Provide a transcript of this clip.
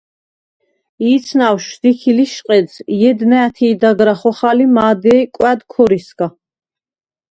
ი̄ცნავშ შდიქი ლიშყედს ჲედ ნა̄̈თი̄ დაგრა ხოხალ ი მა̄დეი̄ − კვა̈დ ქორისგა.